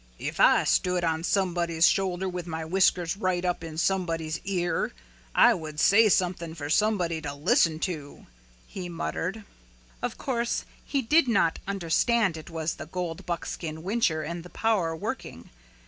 "If I stood on somebody's shoulder with my whiskers right up in somebody's ear I would say something for somebody to listen to," he muttered. Of course, he did not understand it was the gold buckskin whincher and the power working.